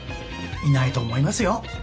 いないと思いますよ。